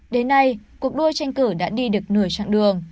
đến nay cuộc đua tranh cử đã đi được nửa chặng đường